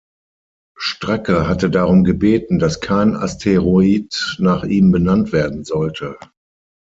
Stracke hatte darum gebeten, dass kein Asteroid nach ihm benannt werden sollte.